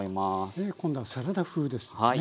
ねえ今度はサラダ風ですね。